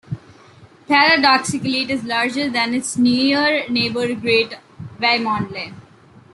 Paradoxically, it is larger than its near neighbour Great Wymondley.